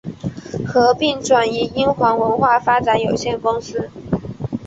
合并移转英皇文化发展有限公司。